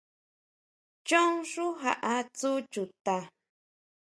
Chon xú jaʼa tsú chuta.